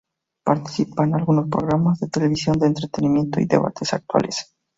Participa en algunos programas de televisión de entretenimiento y debates actuales.